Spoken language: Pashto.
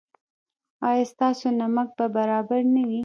ایا ستاسو نمک به برابر نه وي؟